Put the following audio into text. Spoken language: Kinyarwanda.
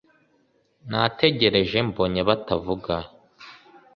nategereje ... mbonye batavuga